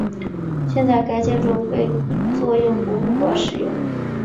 现在该建筑被作为博物馆使用。